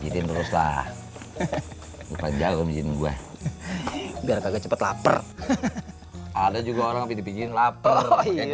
hidup terus lah jauh jauh bikin gua gak cepet lapar ada juga orang dipikirin lapar